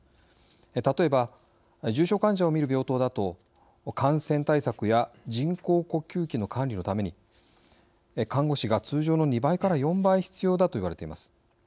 例えば重症患者を診る病棟だと感染対策や人工呼吸器の管理のために看護師が通常の２倍から４倍必要だと言われています。